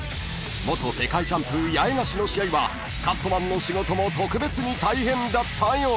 ［元世界チャンプ八重樫の試合はカットマンの仕事も特別に大変だったようです］